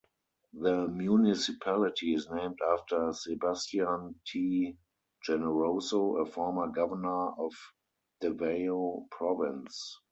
The municipality is named after Sebastian T. Generoso, a former governor of Davao Province.